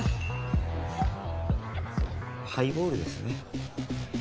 ハイボールですね。